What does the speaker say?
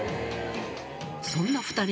そんな２人が